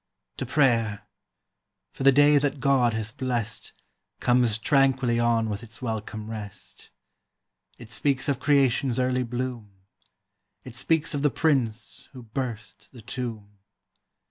To prayer; for the day that God has blest Comes tranquilly on with its welcome rest. It speaks of creation's early bloom; It speaks of the Prince who burst the tomb.